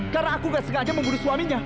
karena aku tidak sengaja membunuh suaminya